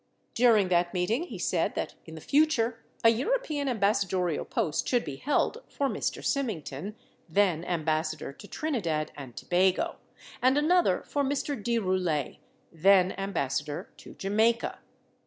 During that meeting he said that in the future a European ambassadorial post should be held for Mr. Symington, then Ambassador to Trini dad and Tobago, and another for Mr. de Roulet, then Am bassador to Jamaica.